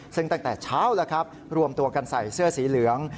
ซึ่งตั้งแต่เช้าแล้วครับรวมตัวกันใส่เสื้อสีเหลือง